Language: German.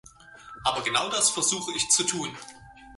Aber genau das versuche ich zu tun.